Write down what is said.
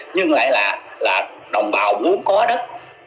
nhưng lại là đồng bào muốn có đất